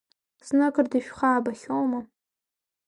Зныкыр дышәхаабахьоума?